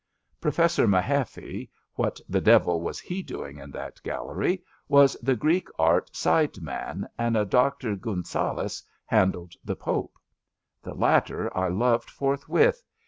Professor Mahaffy (what the devil was he doing in that gallery!) was the Greek art side man, and a Dr. Gunsaulus handled the Pope. The latter I loved forthwith.